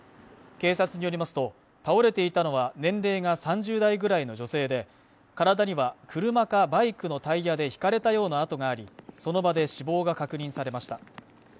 警察によりますと倒れていたのは年齢が３０代ぐらいの女性で体には車かバイクのタイヤでひかれたような痕がありその場で死亡が確認されました